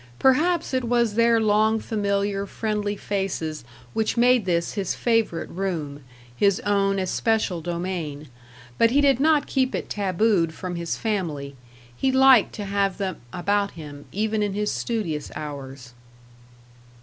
Perhaps it was their long familiar, friendly faces which made this his favourite room, his own especial domain. But he did not keep it tabooed from his family; he liked to have them about him, even in his studious hours.